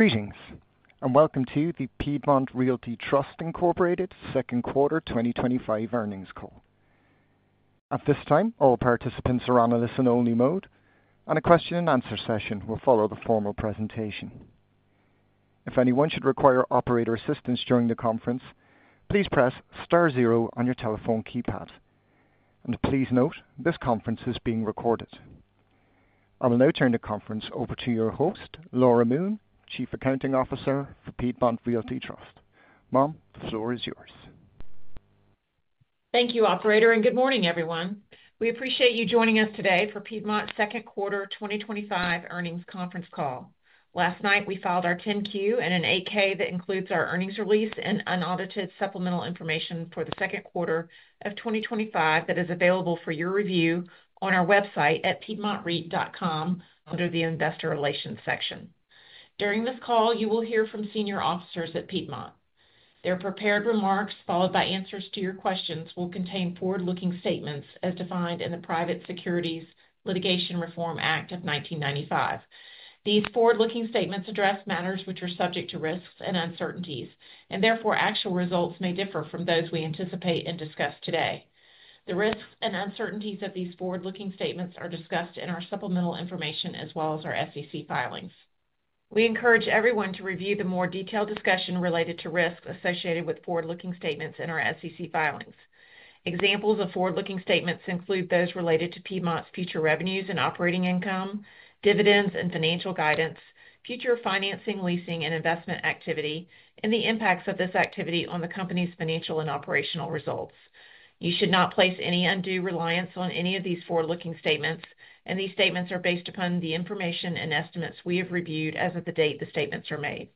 Greetings, and welcome to the Piedmont Office Realty Trust, Inc second quarter 2025 earnings call. At this time, all participants are on a listen-only mode, and a question and answer session will follow the formal presentation. If anyone should require operator assistance during the conference, please press star zero on your telephone keypad. Please note, this conference is being recorded. I will now turn the conference over to your host, Laura Moon, Chief Accounting Officer for Piedmont Office Realty Trust. Laura, the floor is yours. Thank you, Operator, and good morning, everyone. We appreciate you joining us today for Piedmont's second quarter 2025 earnings conference call. Last night, we filed our 10-Q and an 8-K that includes our earnings release and unaudited supplemental information for the second quarter of 2025 that is available for your review on our website at piedmontreit.com under the Investor Relations section. During this call, you will hear from senior officers at Piedmont. Their prepared remarks, followed by answers to your questions, will contain forward-looking statements as defined in the Private Securities Litigation Reform Act of 1995. These forward-looking statements address matters which are subject to risks and uncertainties, and therefore actual results may differ from those we anticipate and discuss today. The risks and uncertainties of these forward-looking statements are discussed in our supplemental information as well as our SEC filings. We encourage everyone to review the more detailed discussion related to risks associated with forward-looking statements in our SEC filings. Examples of forward-looking statements include those related to Piedmont Office Realty Trust's future revenues and operating income, dividends and financial guidance, future financing, leasing, and investment activity, and the impacts of this activity on the company's financial and operational results. You should not place any undue reliance on any of these forward-looking statements, and these statements are based upon the information and estimates we have reviewed as of the date the statements are made.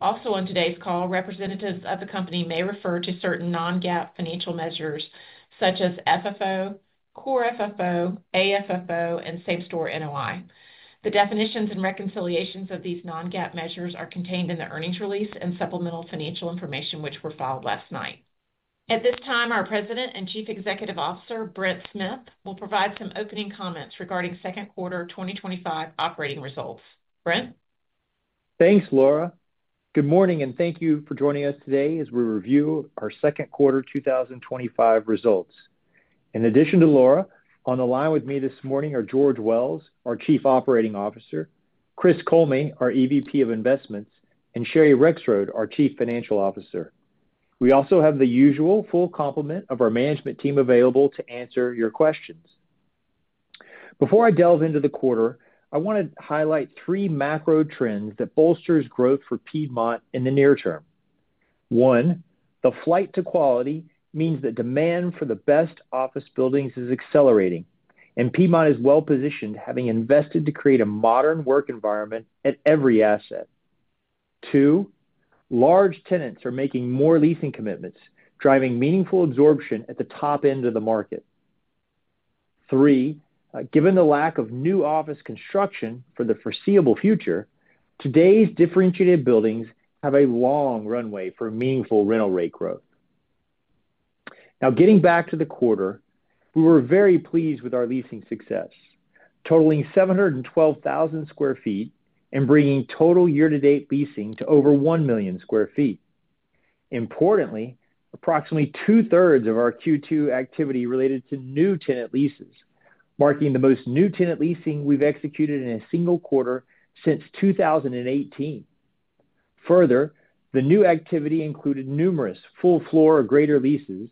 Also, on today's call, representatives of the company may refer to certain non-GAAP financial measures such as FFO, Core FFO, AFFO, and Same Store NOI. The definitions and reconciliations of these non-GAAP measures are contained in the earnings release and supplemental financial information which were filed last night. At this time, our President and Chief Executive Officer, Brent Smith, will provide some opening comments regarding second quarter 2025 operating results. Brent? Thanks, Laura. Good morning, and thank you for joining us today as we review our second quarter 2025 results. In addition to Laura, on the line with me this morning are George Wells, our Chief Operating Officer, Chris Coleman, our EVP of Investments, and Sherry Rexroad, our Chief Financial Officer. We also have the usual full complement of our management team available to answer your questions. Before I delve into the quarter, I want to highlight three macro trends that bolster growth for Piedmont in the near term. One, the flight to quality means that demand for the best office buildings is accelerating, and Piedmont is well-positioned, having invested to create a modern work environment at every asset. Two, large tenants are making more leasing commitments, driving meaningful absorption at the top end of the market. Three, given the lack of new office construction for the foreseeable future, today's differentiated buildings have a long runway for meaningful rental rate growth. Now, getting back to the quarter, we were very pleased with our leasing success, totaling 712,000 sq ft and bringing total year-to-date leasing to over 1 million sq ft. Importantly, approximately 2/3 of our Q2 activity related to new tenant leases, marking the most new tenant leasing we've executed in a single quarter since 2018. Further, the new activity included numerous full-floor or greater leases,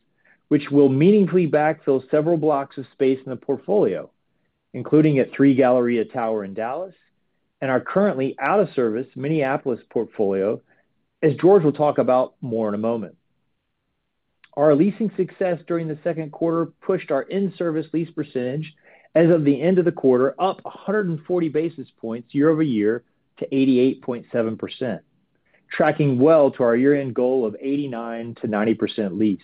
which will meaningfully backfill several blocks of space in the portfolio, including at Three Galleria Tower in Dallas and our currently out-of-service Minneapolis portfolio, as George will talk about more in a moment. Our leasing success during the second quarter pushed our in-service lease percentage as of the end of the quarter up 140 basis points year-over-year to 88.7%, tracking well to our year-end goal of 89%-90% leased.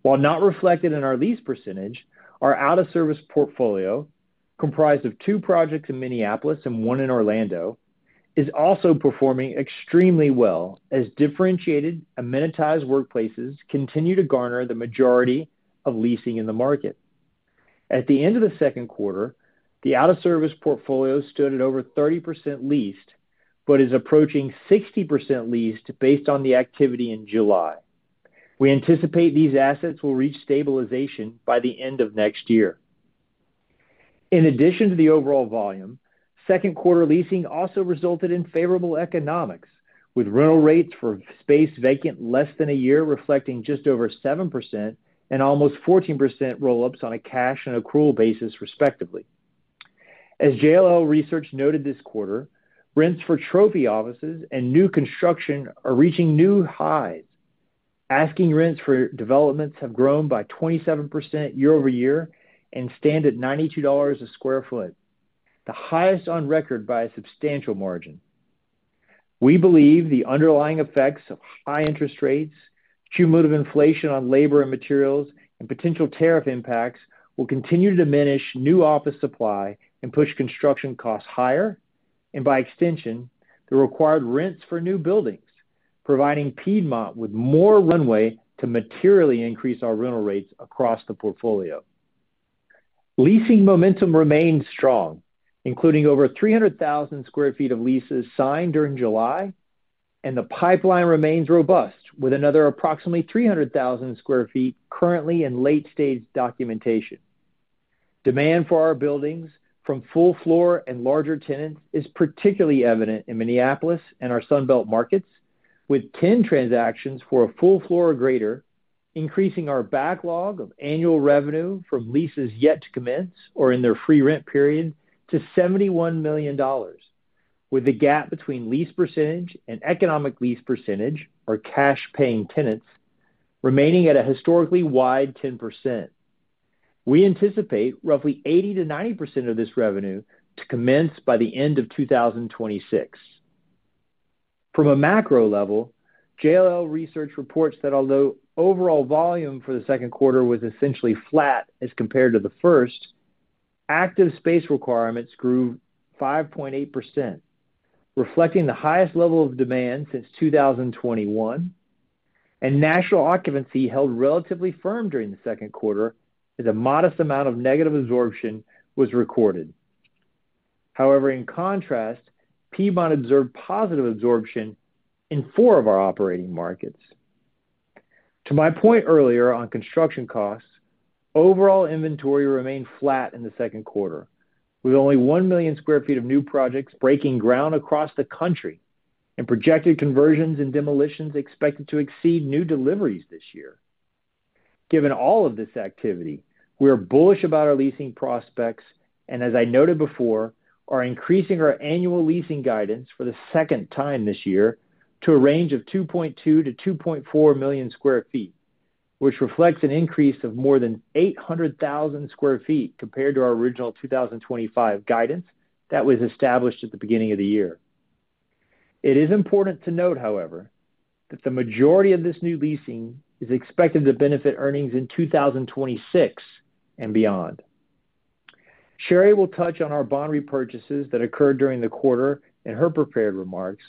While not reflected in our lease percentage, our out-of-service portfolio, comprised of two projects in Minneapolis and one in Orlando, is also performing extremely well as differentiated, amenitized workplaces continue to garner the majority of leasing in the market. At the end of the second quarter, the out-of-service portfolio stood at over 30% leased, but is approaching 60% leased based on the activity in July. We anticipate these assets will reach stabilization by the end of next year. In addition to the overall volume, second quarter leasing also resulted in favorable economics, with rental rates for space vacant less than a year reflecting just over 7% and almost 14% roll-ups on a cash and accrual basis, respectively. As JLL Research noted this quarter, rents for trophy offices and new construction are reaching new highs. Asking rents for developments have grown by 27% year-over-year and stand at $92 a sq ft, the highest on record by a substantial margin. We believe the underlying effects of high interest rates, cumulative inflation on labor and materials, and potential tariff impacts will continue to diminish new office supply and push construction costs higher, and by extension, the required rents for new buildings, providing Piedmont with more runway to materially increase our rental rates across the portfolio. Leasing momentum remains strong, including over 300,000 sq ft of leases signed during July, and the pipeline remains robust with another approximately 300,000 sq ft currently in late-stage documentation. Demand for our buildings from full floor and larger tenants is particularly evident in Minneapolis and our Sunbelt markets, with 10 transactions for a full floor or greater, increasing our backlog of annual revenue from leases yet to commence or in their free rent period to $71 million, with the gap between lease percentage and economic lease percentage or cash-paying tenants remaining at a historically wide 10%. We anticipate roughly 80%-90% of this revenue to commence by the end of 2026. From a macro level, JLL Research reports that although overall volume for the second quarter was essentially flat as compared to the first, active space requirements grew 5.8%, reflecting the highest level of demand since 2021, and national occupancy held relatively firm during the second quarter as a modest amount of negative absorption was recorded. However, in contrast, Piedmont observed positive absorption in four of our operating markets. To my point earlier on construction costs, overall inventory remained flat in the second quarter, with only 1 million sq ft of new projects breaking ground across the country and projected conversions and demolitions expected to exceed new deliveries this year. Given all of this activity, we are bullish about our leasing prospects, and as I noted before, are increasing our annual leasing guidance for the second time this year to a range of 2.2-2.4 million square feet, which reflects an increase of more than 800,000 sq ft compared to our original 2025 guidance that was established at the beginning of the year. It is important to note, however, that the majority of this new leasing is expected to benefit earnings in 2026 and beyond. Sherry will touch on our bond repurchases that occurred during the quarter in her prepared remarks.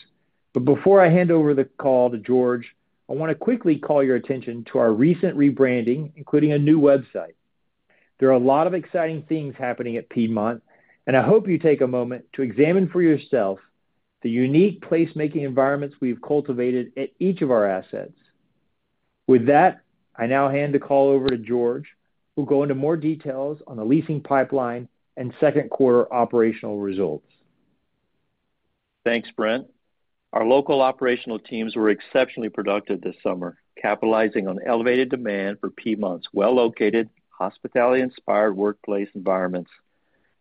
Before I hand over the call to George, I want to quickly call your attention to our recent rebranding, including a new website. There are a lot of exciting things happening at Piedmont, and I hope you take a moment to examine for yourself the unique placemaking environments we've cultivated at each of our assets. With that, I now hand the call over to George, who will go into more details on the leasing pipeline and second quarter operational results. Thanks, Brent. Our local operational teams were exceptionally productive this summer, capitalizing on elevated demand for Piedmont's well-located, hospitality-inspired workplace environments.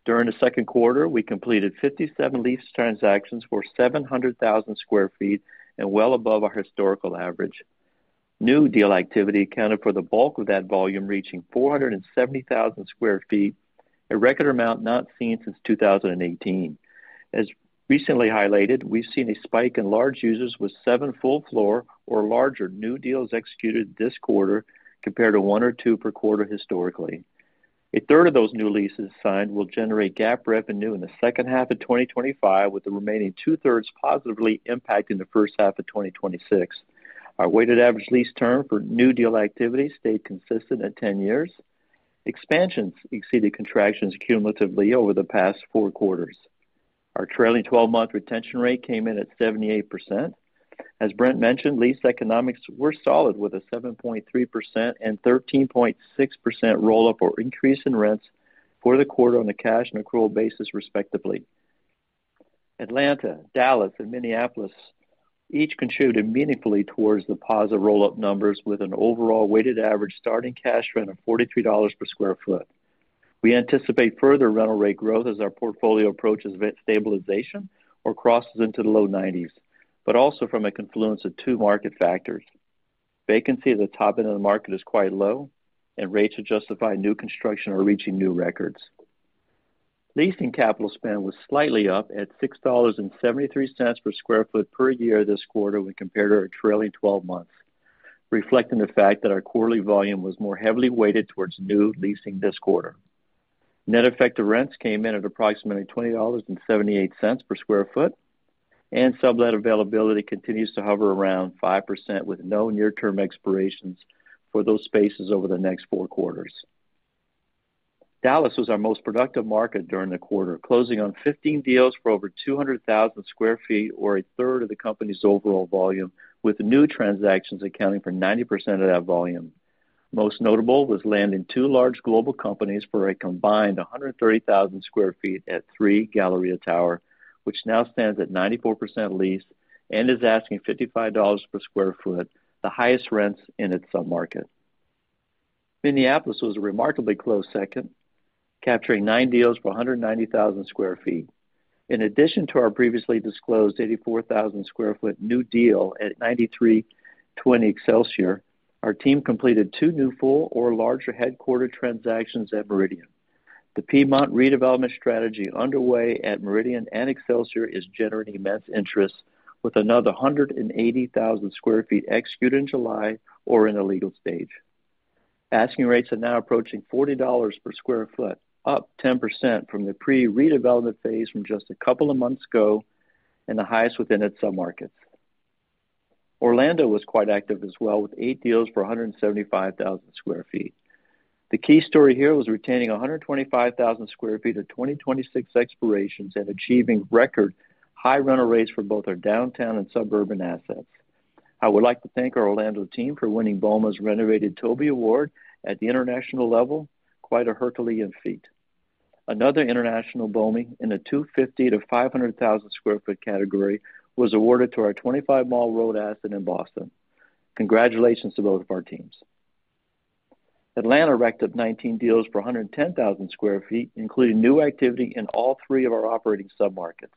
During the second quarter, we completed 57 lease transactions for 700,000 sq ft and well above our historical average. New deal activity accounted for the bulk of that volume, reaching 470,000 sq ft, a record amount not seen since 2018. As recently highlighted, we've seen a spike in large users with seven full-floor or larger new deals executed this quarter compared to one or two per quarter historically. A third of those new leases signed will generate GAAP revenue in the second half of 2025, with the remaining two-thirds positively impacting the first half of 2026. Our weighted average lease term for new deal activity stayed consistent at 10 years. Expansions exceeded contractions cumulatively over the past four quarters. Our trailing 12-month retention rate came in at 78%. As Brent mentioned, lease economics were solid with a 7.3% and 13.6% roll-up or increase in rents for the quarter on a cash and accrual basis, respectively. Atlanta, Dallas, and Minneapolis each contributed meaningfully towards the positive roll-up numbers, with an overall weighted average starting cash rent of $43 per sq ft. We anticipate further rental rate growth as our portfolio approaches stabilization or crosses into the low 90s, but also from a confluence of two market factors. Vacancy at the top end of the market is quite low, and rates to justify new construction are reaching new records. Leasing capital spend was slightly up at $6.73 per sq ft per year this quarter when compared to our trailing 12 months, reflecting the fact that our quarterly volume was more heavily weighted towards new leasing this quarter. Net effective rents came in at approximately $20.78 per sq ft, and sublet availability continues to hover around 5%, with no near-term expirations for those spaces over the next four quarters. Dallas was our most productive market during the quarter, closing on 15 deals for over 200,000 sq ft, or a third of the company's overall volume, with new transactions accounting for 90% of that volume. Most notable was landing two large global companies for a combined 130,000 sq ft at Three Galleria Tower, which now stands at 94% leased and is asking $55 per sq ft, the highest rents in its submarket. Minneapolis was a remarkably close second, capturing nine deals for 190,000 sq ft. In addition to our previously disclosed 84,000 sq ft new deal at 9320 Excelsior, our team completed two new full or larger headquarter transactions at Meridian. The Piedmont redevelopment strategy underway at Meridian and Excelsior is generating immense interest, with another 180,000 sq ft executed in July or in the legal stage. Asking rates are now approaching $40 per sq ft, up 10% from the pre-redevelopment phase from just a couple of months ago, and the highest within its submarkets. Orlando was quite active as well, with eight deals for 175,000 sq ft. The key story here was retaining 125,000 sq ft at 2026 expirations and achieving record high rental rates for both our downtown and suburban assets. I would like to thank our Orlando team for winning BOMA's renovated TOBY Award at the international level, quite a Herculean feat. Another international BOMA, in the 250,000-500,000 sq ft category, was awarded to our 25 Mall Road asset in Boston. Congratulations to both of our teams. Atlanta racked up 19 deals for 110,000 sq ft, including new activity in all three of our operating submarkets.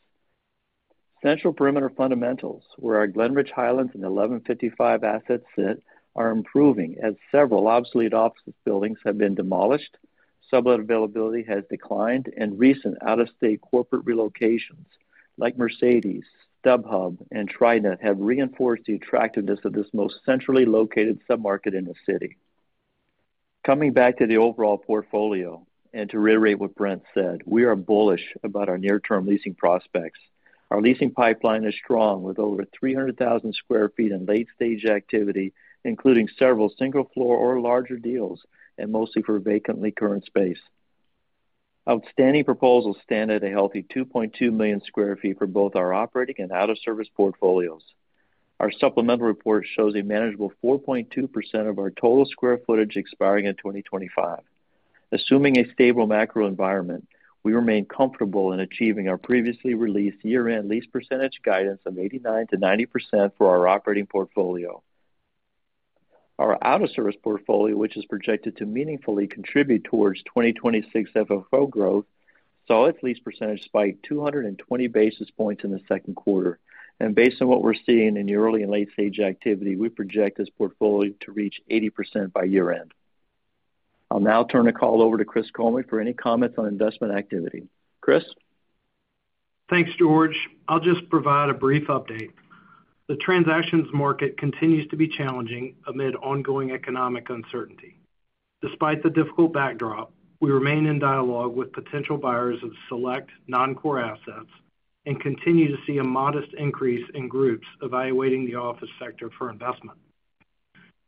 Central Perimeter fundamentals, where our Glenridge Highlands and 1155 assets sit, are improving as several obsolete office buildings have been demolished, sublet availability has declined, and recent out-of-state corporate relocations like Mercedes, DubHub, and TriNet have reinforced the attractiveness of this most centrally located submarket in the city. Coming back to the overall portfolio, and to reiterate what Brent said, we are bullish about our near-term leasing prospects. Our leasing pipeline is strong, with over 300,000 sq ft in late-stage activity, including several single floor or larger deals, and mostly for vacantly current space. Outstanding proposals stand at a healthy 2.2 million sq ft for both our operating and out-of-service portfolios. Our supplemental report shows a manageable 4.2% of our total sq footage expiring in 2025. Assuming a stable macro environment, we remain comfortable in achieving our previously released year-end lease percentage guidance of 89%-90% for our operating portfolio. Our out-of-service portfolio, which is projected to meaningfully contribute towards 2026 FFO growth, saw its lease percentage spike 220 basis points in the second quarter, and based on what we're seeing in the early and late-stage activity, we project this portfolio to reach 80% by year-end. I'll now turn the call over to Chris Coleman for any comments on investment activity. Chris? Thanks, George. I'll just provide a brief update. The transactions market continues to be challenging amid ongoing economic uncertainty. Despite the difficult backdrop, we remain in dialogue with potential buyers of select non-core assets and continue to see a modest increase in groups evaluating the office sector for investment.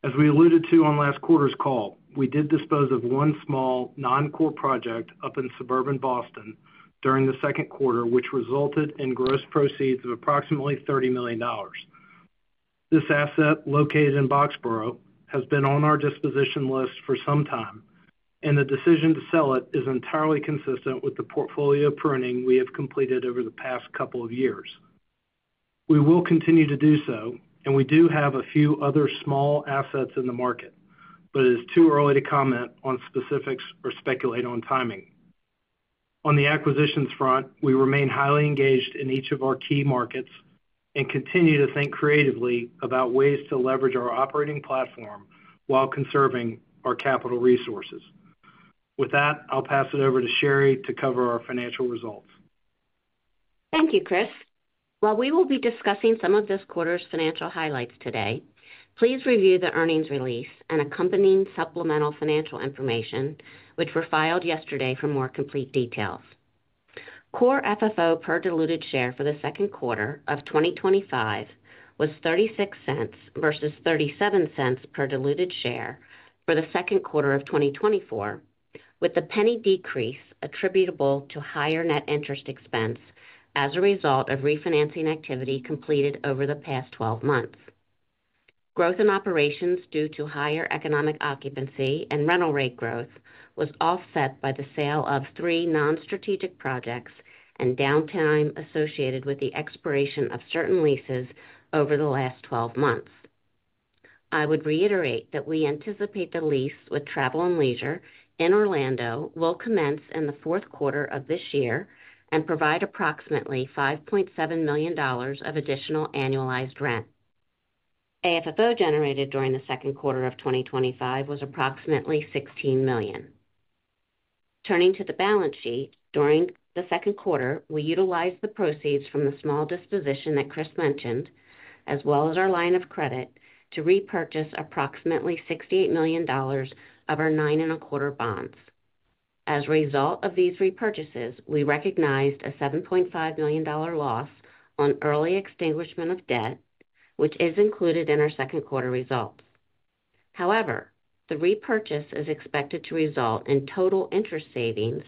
As we alluded to on last quarter's call, we did dispose of one small non-core project up in suburban Boston during the second quarter, which resulted in gross proceeds of approximately $30 million. This asset, located in Boxboro, has been on our disposition list for some time, and the decision to sell it is entirely consistent with the portfolio pruning we have completed over the past couple of years. We will continue to do so, and we do have a few other small assets in the market, but it is too early to comment on specifics or speculate on timing. On the acquisitions front, we remain highly engaged in each of our key markets and continue to think creatively about ways to leverage our operating platform while conserving our capital resources. With that, I'll pass it over to Sherry to cover our financial results. Thank you, Chris. While we will be discussing some of this quarter's financial highlights today, please review the earnings release and accompanying supplemental financial information, which were filed yesterday for more complete details. Core FFO per diluted share for the second quarter of 2025 was $0.36 versus $0.37 per diluted share for the second quarter of 2024, with the $0.01 decrease attributable to higher net interest expense as a result of refinancing activity completed over the past 12 months. Growth in operations due to higher economic occupancy and rental rate growth was offset by the sale of three non-strategic projects and downtime associated with the expiration of certain leases over the last 12 months. I would reiterate that we anticipate the lease with Travel and Leisure in Orlando will commence in the fourth quarter of this year and provide approximately $5.7 million of additional annualized rent. AFFO generated during the second quarter of 2025 was approximately $16 million. Turning to the balance sheet, during the second quarter, we utilized the proceeds from the small disposition that Chris mentioned, as well as our line of credit, to repurchase approximately $68 million of our 9.25% bonds. As a result of these repurchases, we recognized a $7.5 million loss on early extinguishment of debt, which is included in our second quarter result. However, the repurchase is expected to result in total interest savings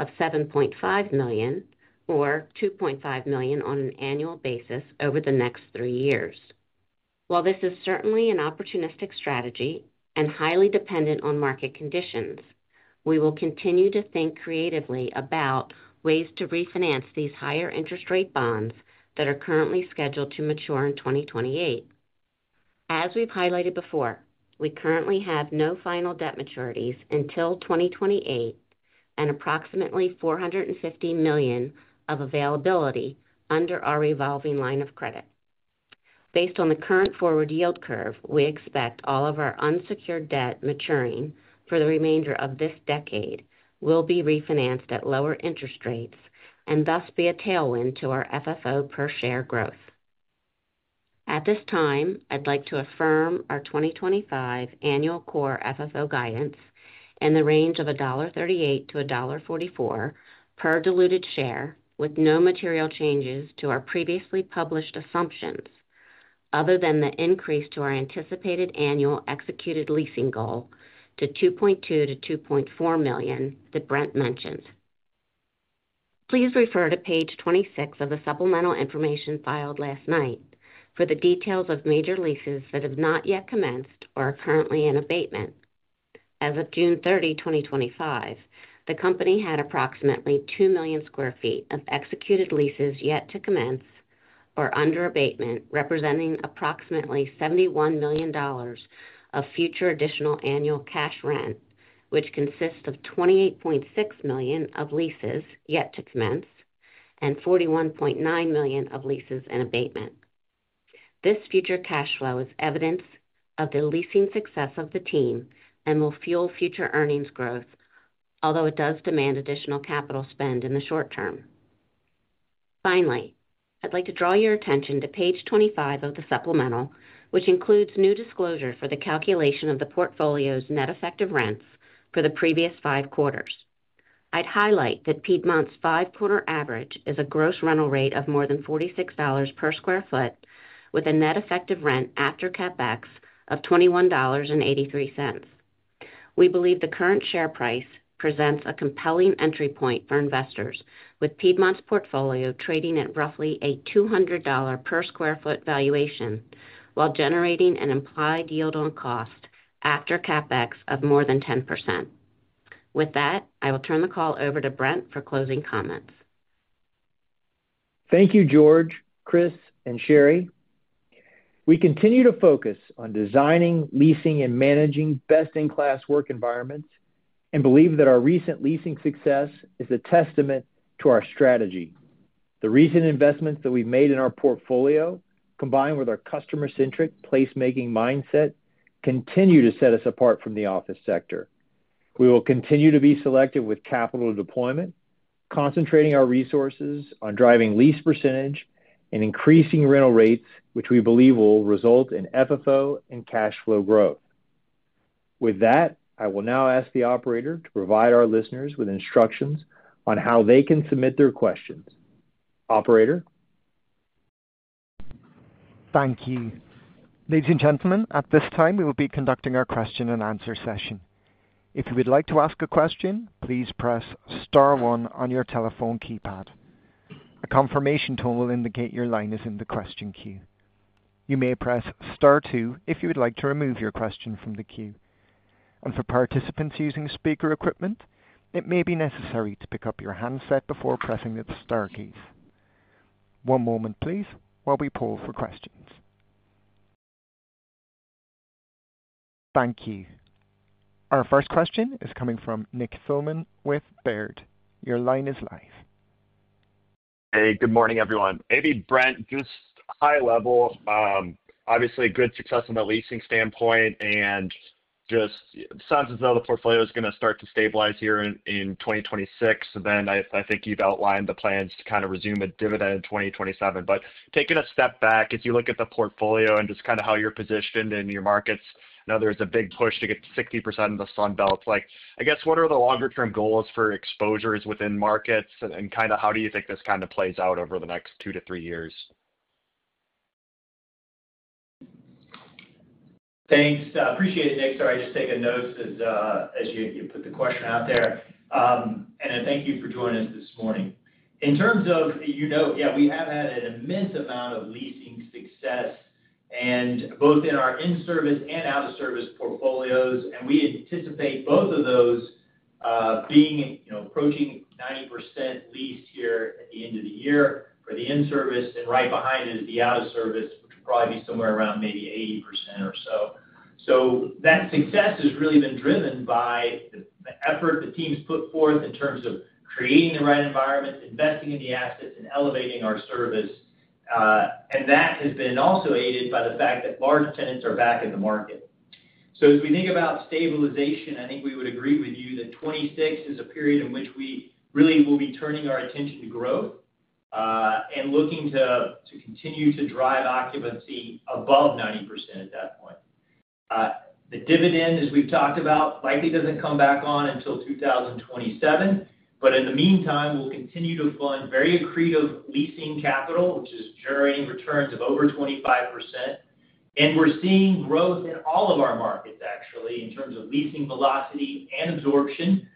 of $7.5 million or $2.5 million on an annual basis over the next three years. While this is certainly an opportunistic strategy and highly dependent on market conditions, we will continue to think creatively about ways to refinance these higher interest rate bonds that are currently scheduled to mature in 2028. As we've highlighted before, we currently have no final debt maturities until 2028 and approximately $450 million of availability under our revolving line of credit. Based on the current forward yield curve, we expect all of our unsecured debt maturing for the remainder of this decade will be refinanced at lower interest rates and thus be a tailwind to our FFO per share growth. At this time, I'd like to affirm our 2025 annual core FFO guidance in the range of $1.38-$1.44 per diluted share, with no material changes to our previously published assumptions other than the increase to our anticipated annual executed leasing goal to $2.2-$2.4 million that Brent mentioned. Please refer to page 26 of the supplemental information filed last night for the details of major leases that have not yet commenced or are currently in abatement. As of June 30, 2025, the company had approximately 2 million sq ft of executed leases yet to commence or under abatement, representing approximately $71 million of future additional annual cash rent, which consists of $28.6 million of leases yet to commence and $41.9 million of leases in abatement. This future cash flow is evidence of the leasing success of the team and will fuel future earnings growth, although it does demand additional capital spend in the short term. Finally, I'd like to draw your attention to page 25 of the supplemental, which includes new disclosure for the calculation of the portfolio's net effective rents for the previous five quarters. I'd highlight that Piedmont's five-quarter average is a gross rental rate of more than $46 per sq ft, with a net effective rent after CapEx of $21.83. We believe the current share price presents a compelling entry point for investors, with Piedmont's portfolio trading at roughly a $200 per sq ft valuation while generating an implied yield on cost after CapEx of more than 10%. With that, I will turn the call over to Brent for closing comments. Thank you, George, Chris, and Sherry. We continue to focus on designing, leasing, and managing best-in-class work environments and believe that our recent leasing success is a testament to our strategy. The recent investments that we've made in our portfolio, combined with our customer-centric placemaking mindset, continue to set us apart from the office sector. We will continue to be selective with capital deployment, concentrating our resources on driving lease percentage and increasing rental rates, which we believe will result in FFO and cash flow growth. With that, I will now ask the Operator to provide our listeners with instructions on how they can submit their questions. Operator? Thank you. Ladies and gentlemen, at this time, we will be conducting our question-and-answer session. If you would like to ask a question, please press star one on your telephone keypad. A confirmation tone will indicate your line is in the question queue. You may press star two if you would like to remove your question from the queue. For participants using speaker equipment, it may be necessary to pick up your handset before pressing the star keys. One moment, please, while we poll for questions. Thank you. Our first question is coming from Nick Thillman with Baird. Your line is live. Hey, good morning, everyone. Maybe Brent, just high level, obviously great success on the leasing standpoint, and it just sounds as though the portfolio is going to start to stabilize here in 2026. I think you've outlined the plans to kind of resume a dividend in 2027. Taking a step back, if you look at the portfolio and just kind of how you're positioned in your markets, I know there's a big push to get 60% of the Sunbelt. I guess what are the longer-term goals for exposures within markets, and kind of how do you think this kind of plays out over the next two to three years? Thanks. I appreciate it, Nick. Sorry, I'm just taking notes as you put the question out there. Thank you for joining us this morning. In terms of, you know, yeah, we have had an immense amount of leasing success in both our in-service and out-of-service portfolios, and we anticipate both of those being, you know, approaching 90% leased here at the end of the year for the in-service and right behind it is the out-of-service, probably be somewhere around maybe 80%. That success has really been driven by the effort that teams put forth in terms of creating the right environment, investing in the asset, and elevating our service. That has been also aided by the fact that large tenants are back in the market. As we think about stabilization, I think we would agree with you that 2026 is a period in which we really will be turning our attention to growth and looking to continue to drive occupancy above 90% at that point. The dividend, as we've talked about, likely doesn't come back on until 2027, but in the meantime, we'll continue to fund very accretive leasing capital, which is generating returns of over 25%. We're seeing growth in all of our markets, actually, in terms of leasing velocity and absorption.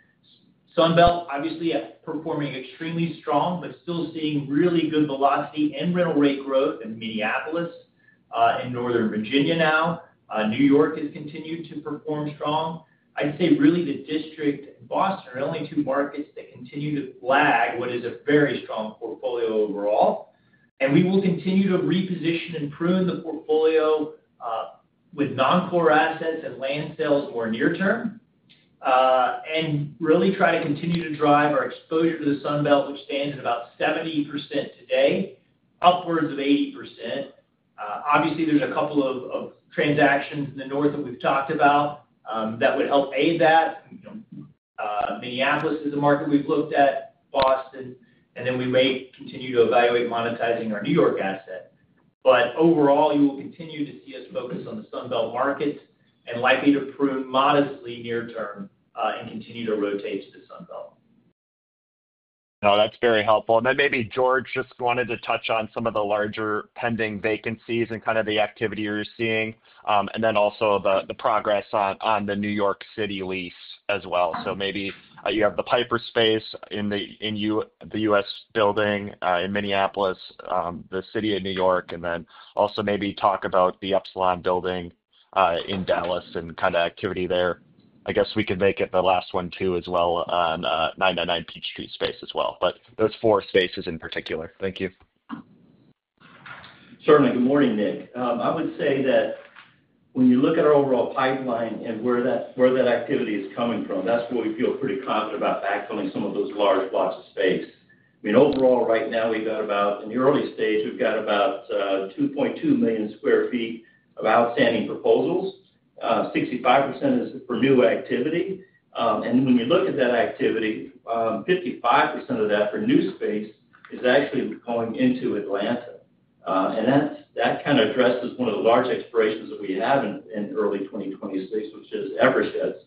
Sunbelt, obviously, performing extremely strong, but still seeing really good velocity and rental rate growth in Minneapolis and Northern Virginia now. New York has continued to perform strong. I'd say really the District, Boston, are the only two markets that continue to flag what is a very strong portfolio overall. We will continue to reposition and prune the portfolio with non-core assets and land sales more near-term and really try to continue to drive our exposure to the Sunbelt, which stands at about 70% today, upwards of 80%. Obviously, there's a couple of transactions in the north that we've talked about that would help aid that. Minneapolis is a market we've looked at, Boston, and then we might continue to evaluate monetizing our New York asset. Overall, you will continue to see us focus on the Sunbelt market and likely to prune modestly near-term and continue to rotate to the Sunbelt. No, that's very helpful. Maybe, George, just wanted to touch on some of the larger pending vacancies and the activity you're seeing, and then also the progress on the New York City lease as well. You have the Piper space in the U.S. building in Minneapolis, the City of New York, and then maybe talk about the Epsilon building in Dallas and the activity there. I guess we could make it the last one as well on 999 Peachtree space, but those four spaces in particular. Thank you. Certainly. Good morning, Nick. I would say that when you look at our overall pipeline and where that activity is coming from, that's where we feel pretty confident about backfilling some of those large blocks of space. Overall, right now we've got about, in the early stage, we've got about 2.2 million sq ft of outstanding proposals. 65% is for new activity. When you look at that activity, 55% of that for new space is actually going into Atlanta. That kind of addresses one of the large expirations that we have in early 2026, which is Eversheds.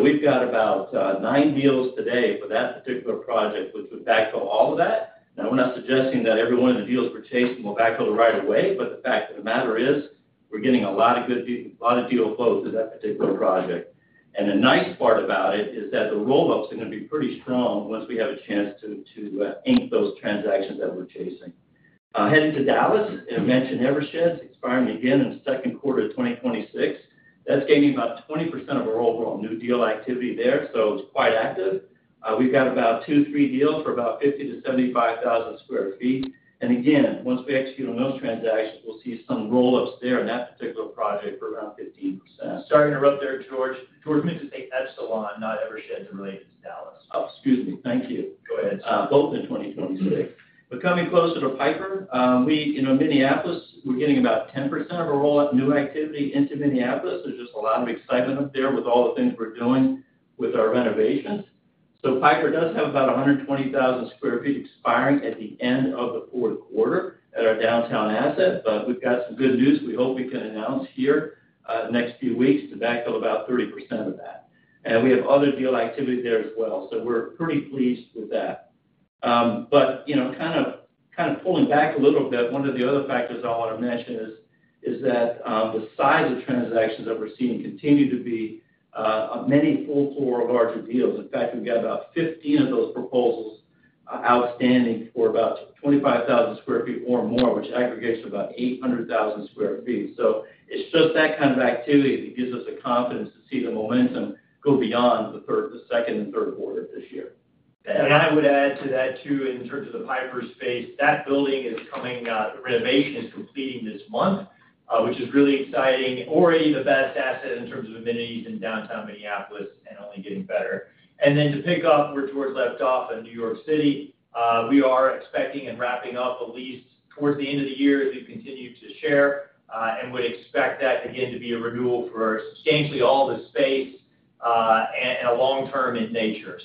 We've got about nine deals today for that particular project, which would backfill all of that. I'm not suggesting that every one of the deals we're chasing will backfill right away, but the fact of the matter is we're getting a lot of good, a lot of deal flows to that particular project. The nice part about it is that the roll-ups are going to be pretty strong once we have a chance to ink those transactions that we're chasing. Heading to Dallas, I mentioned Eversheds' expiring again in the second quarter of 2026. That's getting about 20% of our overall new deal activity there, so it's quite active. We've got about two, three deals for about 50,000-75,000 sq ft. Once we execute on those transactions, we'll see some roll-ups there in that particular project for around 15%. Sorry to interrupt there, George. George mentioned Epsilon, not Eversheds in relation to Dallas. Excuse me. Thank you. Both in 2026. Coming closer to Piper, Minneapolis, we're getting about 10% of a roll-up new activity into Minneapolis. There's just a lot of excitement up there with all the things we're doing with our renovations. Piper does have about 120,000 sq ft expiring at the end of the fourth quarter at our downtown asset, but we've got some good news we hope we can announce here in the next few weeks to backfill about 30% of that. We had other deal activity there as well, so we're pretty pleased with that. Kind of pulling back a little bit, one of the other factors I want to mention is that the size of transactions that we're seeing continue to be many full-floor or larger deals. In fact, we've got about 15 of those proposals outstanding for about 25,000 sq ft or more, which aggregates to about 800,000 sq ft. It's just that kind of activity that gives us the confidence to see the momentum go beyond the second and third quarter of this year. I would add to that too, in terms of the Piper space, that building is coming, renovation is completing this month, which is really exciting, already in the best asset in terms of amenities in downtown Minneapolis and only getting better. To pick up where George left off in New York City, we are expecting and wrapping up a lease towards the end of the year to continue to share and would expect that again to be a renewal for, exchangeably, all the space and a long-term in nature.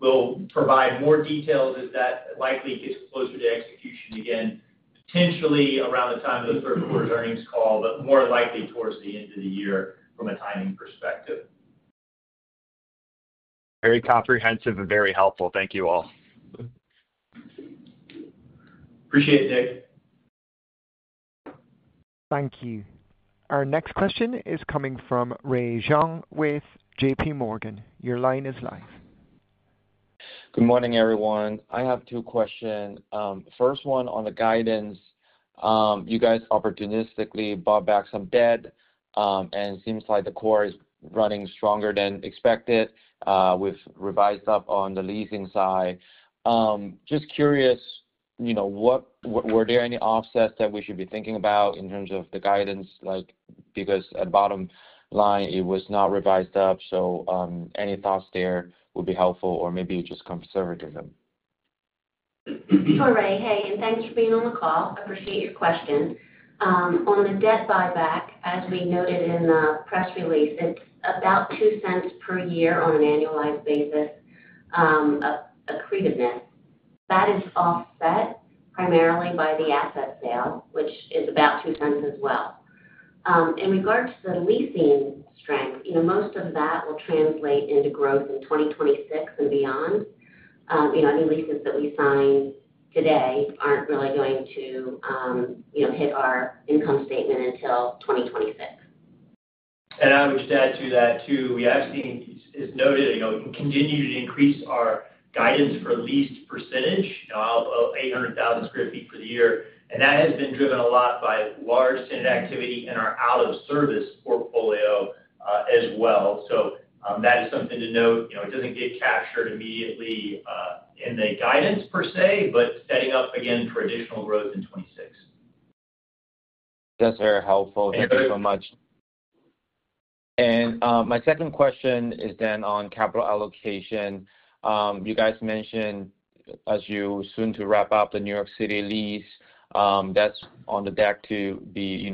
We'll provide more details as that likely gets closer to execution again, potentially around the time of the third quarter's earnings call, but more likely towards the end of the year from a timing perspective. Very comprehensive and very helpful. Thank you all. Appreciate it, Nick. Thank you. Our next question is coming from Ray Zhang with JPMorgan. Your line is live. Good morning, everyone. I have two questions. First one on the guidance. You guys opportunistically bought back some debt, and it seems like the core is running stronger than expected. We've revised up on the leasing side. Just curious, you know, were there any offsets that we should be thinking about in terms of the guidance? Like, because at the bottom line, it was not revised up. Any thoughts there would be helpful, or maybe you're just conservative? Hey, and thanks for being on the call. I appreciate your question. On the debt buyback, as we noted in the press release, it's about $0.02 per year on an annualized basis of accretiveness. That is offset primarily by the asset sale, which is about $0.02 as well. In regards to the leasing strength, most of that will translate into growth in 2026 and beyond. Any leases that we sign today aren't really going to hit our income statement until 2026. I would just add to that too, we actually, as noted, continue to increase our guidance for lease percentage, you know, of 800,000 sq ft per year. That has been driven a lot by large tenant activity and our out-of-service portfolio as well. That is something to note. It doesn't get captured immediately in the guidance per se, but spending up, again, for additional growth in 2026. That's very helpful. Thank you so much. My second question is on capital allocation. You guys mentioned, as you soon to wrap up the New York City lease, that's on the deck to be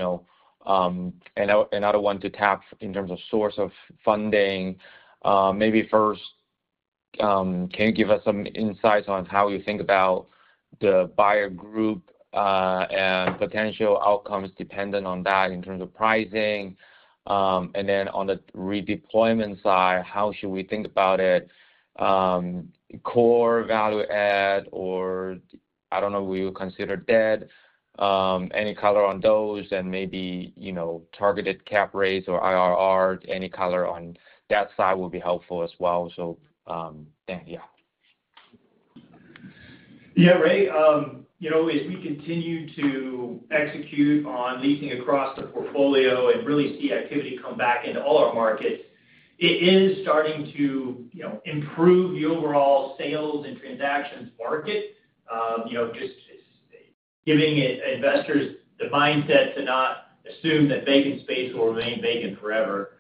another one to tap in terms of source of funding. Maybe first, can you give us some insights on how you think about the buyer group and potential outcomes dependent on that in terms of pricing? On the redeployment side, how should we think about it? Core value add, or I don't know if we would consider debt, any color on those, and maybe targeted cap rates or IRR, any color on that side would be helpful as well. Yeah. Yeah, Ray. As we continue to execute on leasing across the portfolio and really see activity come back into all our markets, it is starting to improve the overall sales and transactions market. Just giving investors the mindset to not assume that vacant space will remain vacant forever.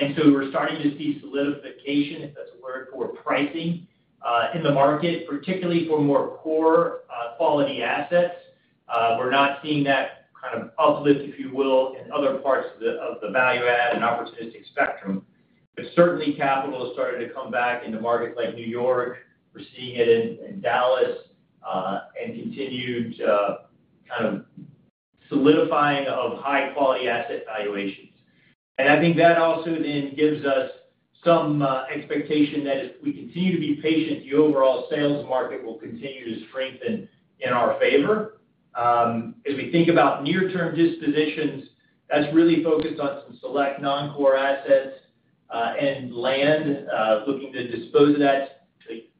We're starting to see solidification, if that's a word for it, in pricing in the market, particularly for more core quality assets. We're not seeing that kind of uplift, if you will, in other parts of the value-add and opportunistic spectrum. Certainly, capital has started to come back into markets like New York. We're seeing it in Dallas and continue to see solidifying of high-quality asset valuation. I think that also then gives us some expectation that if we continue to be patient, the overall sales market will continue to strengthen in our favor. As we think about near-term dispositions, that's really focused on some select non-core assets and land, looking to dispose of that to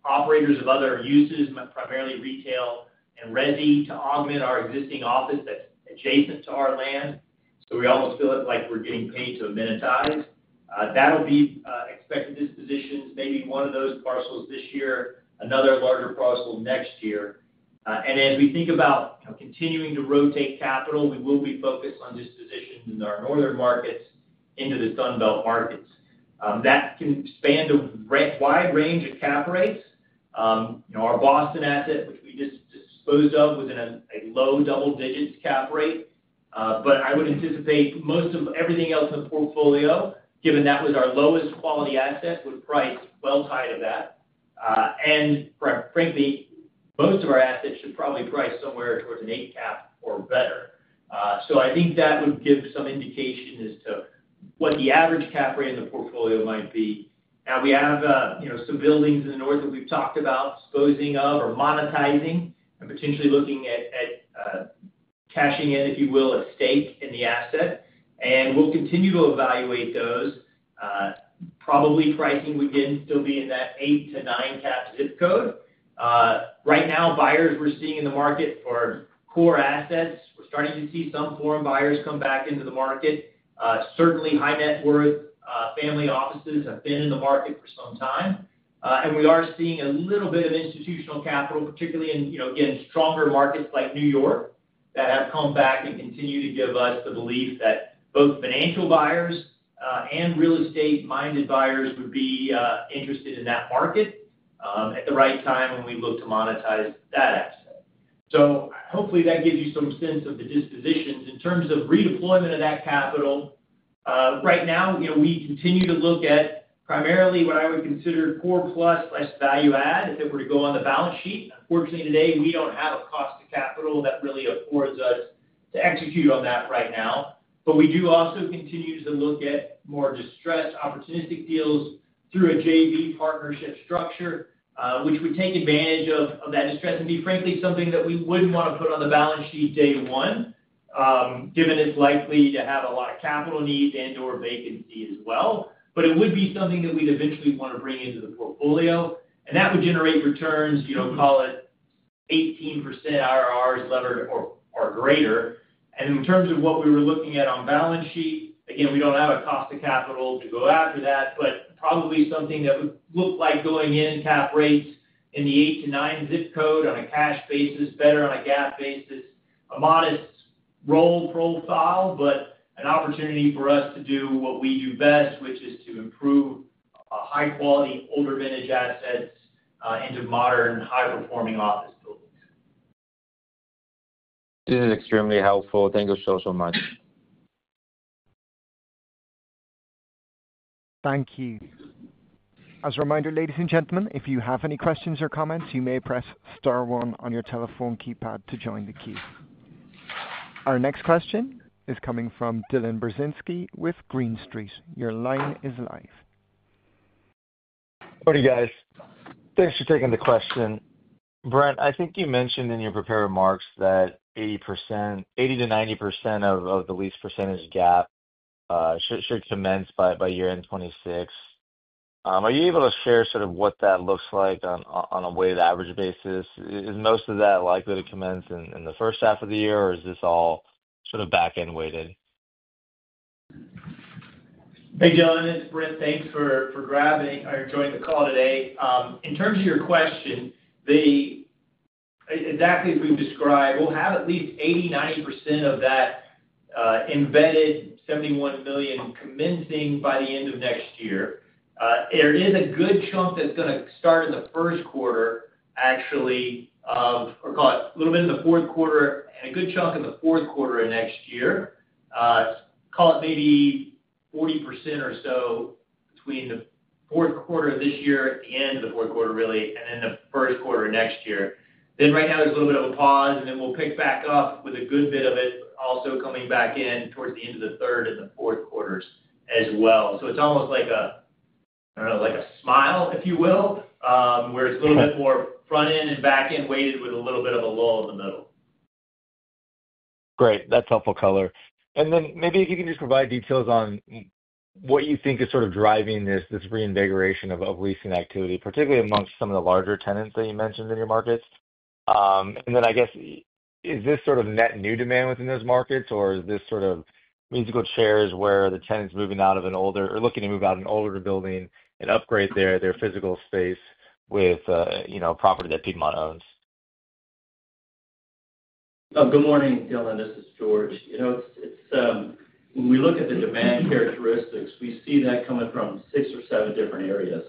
operators of other uses, primarily retail and resi, to augment our existing office that's adjacent to our land. We almost feel like we're getting paid to amenitize. That'll be expected dispositions, maybe one of those parcels this year, another larger parcel next year. As we think about continuing to rotate capital, we will be focused on dispositions in our northern markets into the Sunbelt markets. That can span a wide range of cap rates. Our Boston asset, which we just disposed of, was in a low double-digits cap rate. I would anticipate most of everything else in the portfolio, given that was our lowest quality asset, would price well tied to that. Frankly, most of our assets should probably price somewhere towards an 8% cap or better. I think that would give some indication as to what the average cap rate in the portfolio might be. Now we have some buildings in the north that we've talked about disposing of or monetizing and potentially looking at cashing in, if you will, a stake in the asset. We'll continue to evaluate those. Probably pricing would again still be in that 8%-9% cap zip code. Right now, buyers we're seeing in the market for core assets, we're starting to see some foreign buyers come back into the market. Certainly, high net worth family offices have been in the market for some time. We are seeing a little bit of institutional capital, particularly in, you know, again, stronger markets like New York that have come back and continue to give us the belief that both financial buyers and real estate-minded buyers would be interested in that market at the right time when we look to monetize that asset. Hopefully that gives you some sense of the dispositions in terms of redeployment of that capital. Right now, we continue to look at primarily what I would consider core-plus plus value-add if it were to go on the balance sheet. Fortunately, today we don't have a cost of capital that really affords us to execute on that right now. We do also continue to look at more distressed opportunistic deals through a JV partnership structure, which would take advantage of that distress and be frankly something that we wouldn't want to put on the balance sheet day one, given it's likely to have a lot of capital needs and/or vacancy as well. It would be something that we'd eventually want to bring into the portfolio. That would generate returns, you know, call it 18% IRRs levered or greater. In terms of what we were looking at on balance sheet, again, we don't have a cost of capital to go after that, but probably something that would look like going in cap rates in the eight-nine zip code on a cash basis, better on a GAAP basis, a modest roll profile, but an opportunity for us to do what we do best, which is to improve high-quality older vintage assets into modern, high-performing office buildings. This is extremely helpful. Thank you so, so much. Thank you. As a reminder, ladies and gentlemen, if you have any questions or comments, you may press *1 on your telephone keypad to join the queue. Our next question is coming from Dylan Burzinski with Green Street. Your line is live. Morning, guys. Thanks for taking the question. Brent, I think you mentioned in your prepared remarks that 80%-90% of the lease percentage gap should commence by year-end 2026. Are you able to share sort of what that looks like on a weighted average basis? Is most of that likely to commence in the first half of the year, or is this all sort of back-end weighted? Hey, Dylan. It's Brent. Thanks for joining the call today. In terms of your question, the exact things we've described, we'll have at least 80%-90% of that embedded $71 million commencing by the end of next year. There is a good chunk that's going to start in the first quarter, actually, call it a little bit in the fourth quarter and a good chunk in the fourth quarter of next year. Call it maybe 40% or so between the fourth quarter of this year, at the end of the fourth quarter, really, and then the first quarter of next year. Right now, there's a little bit of a pause, and we'll pick back up with a good bit of it also coming back in towards the end of the third and the fourth quarters as well. It's almost like a, I don't know, like a smile, if you will, where it's a little bit more front-end and back-end weighted with a little bit of a lull in the middle. Great. That's helpful color. Maybe if you can just provide details on what you think is sort of driving this reinvigoration of leasing activity, particularly amongst some of the larger tenants that you mentioned in your markets. I guess, is this sort of net new demand within those markets, or is this sort of musical chairs where the tenant's moving out of an older or looking to move out of an older building and upgrade their physical space with, you know, a property that Piedmont owns? Good morning, Dylan. This is George. When we look at the demand characteristics, we see that coming from six or seven different areas.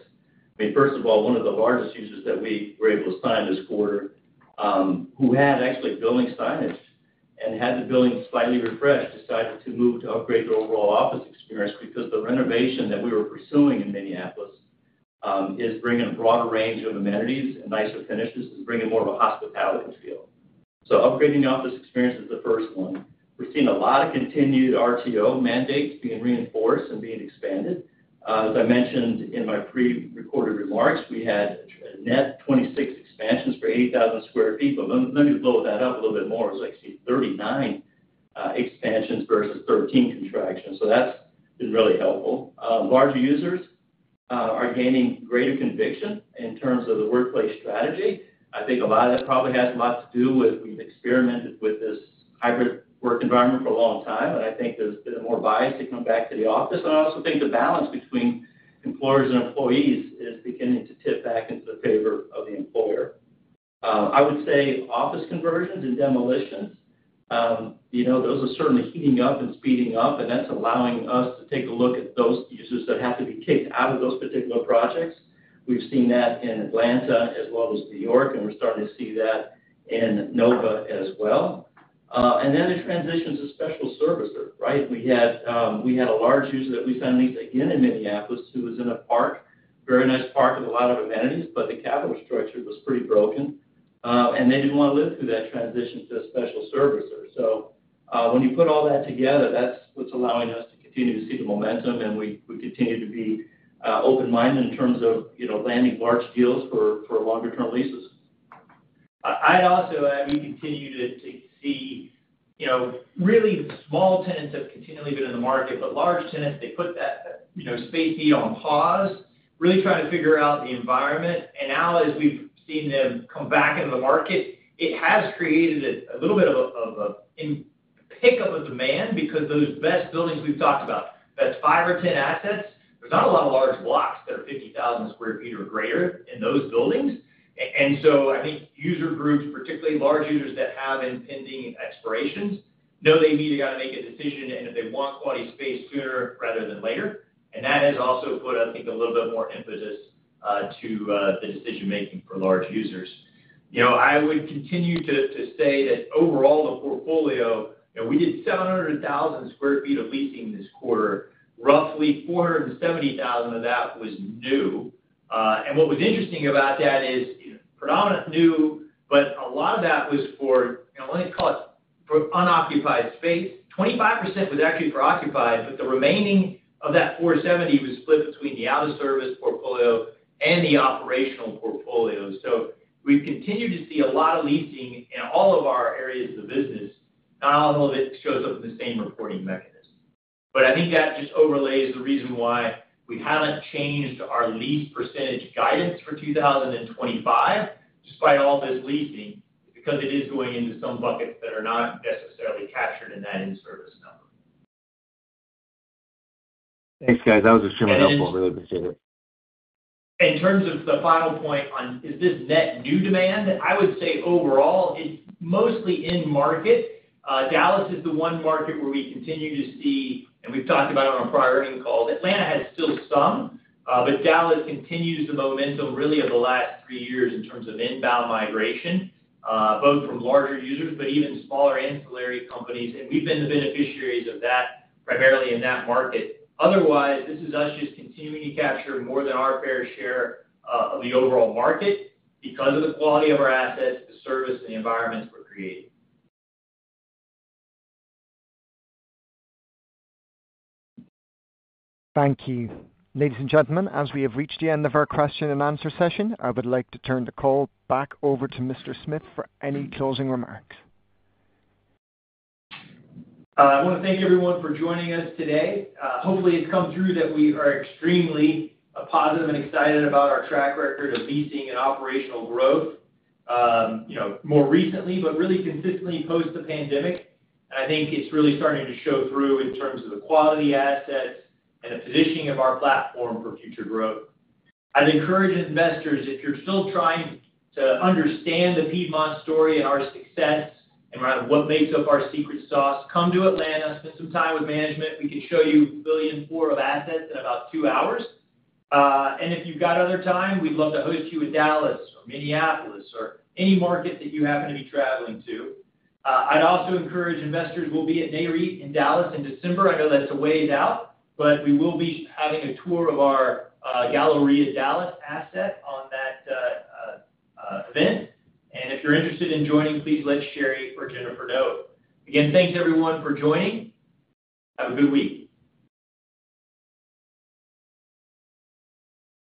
First of all, one of the largest users that we were able to sign this quarter, who had actually building signage and had the building slightly refreshed, decided to move to upgrade their overall office experience because the renovation that we were pursuing in Minneapolis is bringing a broader range of amenities and nicer finishes to bring in more of a hospitality feel. Upgrading the office experience is the first one. We're seeing a lot of continued RTO mandates being reinforced and being expanded. As I mentioned in my pre-recorded remarks, we had a net 26 expansions for 80,000 sq ft, but let me blow that up a little bit more. It was 39 expansions versus 13 contractions. That's been really helpful. Larger users are gaining greater conviction in terms of the workplace strategy. I think a lot of that probably has a lot to do with we've experimented with this hybrid work environment for a long time, and I think there's been more bias to come back to the office. I also think the balance between employers and employees is beginning to tip back into the favor of the employer. I would say office conversions and demolitions, those are certainly heating up and speeding up, and that's allowing us to take a look at those users that have to be kicked out of those particular projects. We've seen that in Atlanta as well as New York, and we're starting to see that in Nova as well. The transition to special services, right? We had a large user that we sent things again in Minneapolis who was in a park, very nice park with a lot of amenities, but the capital structure was pretty broken, and they didn't want to live through that transition to a special servicer. When you put all that together, that's what's allowing us to continue to see the momentum, and we continue to be open-minded in terms of landing large deals for longer-term leases. I'd also continue to see really small tenants have continually been in the market, but large tenants, they put that space heat on pause, really trying to figure out the environment. As we've seen them come back into the market, it has created a little bit of a pickup of demand because those best buildings we've talked about, that's five or ten assets, there's not a lot of large blocks that are 50,000 sq ft or greater in those buildings. I think user groups, and particularly large users that have in being expirations, know they need to kind of make a decision if they want quality space sooner rather than later. That has also put, I think, a little bit more impetus to the decision-making for large users. I would continue to say that overall in the portfolio, we did 700,000 sq ft of leasing this quarter. Roughly 470,000 of that was new. What was interesting about that is predominantly new, but a lot of that was for, let's call it, for unoccupied space. 25% was actually for occupied, but the remaining of that 470,000 was split between the out-of-service portfolio and the operational portfolio. We've continued to see a lot of leasing in all of our areas of the business. Not all of it shows up in the same reporting mechanism. I think that just overlays the reason why we haven't changed our lease percentage guidance for 2025, despite all this leasing, because it is going into some buckets that are not necessarily captured in that in-service stuff. Thanks, guys. That was extremely helpful. I really appreciate it. In terms of the final point on, is this net new demand? I would say overall, it's mostly in markets. Dallas is the one market where we continue to see, and we've talked about it on a priority call. Atlanta has still some, but Dallas continues the momentum really of the last three years in terms of inbound migration, both from larger users, but even smaller ancillary companies. We've been the beneficiaries of that primarily in that market. Otherwise, this is us just continuing to capture more than our fair share of the overall market because of the quality of our assets, the service, and the environments we're creating. Thank you. Ladies and gentlemen, as we have reached the end of our question-and-answer session, I would like to turn the call back over to Mr. Smith for any closing remarks. I want to thank everyone for joining us today. Hopefully, it's come through that we are extremely positive and excited about our track record of leasing and operational growth, more recently, but really consistently post the pandemic. I think it's really starting to show through in terms of the quality assets and the positioning of our platform for future growth. I'd encourage investors, if you're still trying to understand the Piedmont story and our success, and what makes up our secret sauce, come to Atlanta, spend some time with management. We can show you $1.4 billion of assets in about two hours. If you've got other time, we'd love to host you at Dallas or Minneapolis or any market that you happen to be traveling to. I'd also encourage investors, we'll be at Nareit in Dallas in December. I know that it's a ways out, but we will be having a tour of our 3 Galleria Tower asset at that event. If you're interested in joining, please let Sherry or Jennifer know. Again, thanks everyone for joining.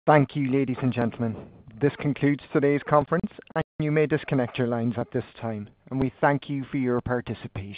Thank you, ladies and gentlemen. This concludes today's conference. You may disconnect your lines at this time. We thank you for your participation.